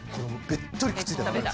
べっとりくっついてます。